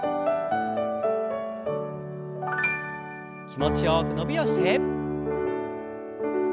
気持ちよく伸びをして。